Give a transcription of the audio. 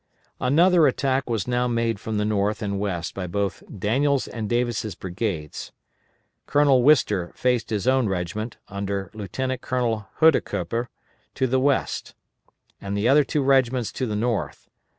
Another attack was now made from the north and west by both Daniel's and Davis' brigades. Colonel Wister faced his own regiment, under Lieutenant Colonel Huidekoper, to the west, and the other two regiments to the north.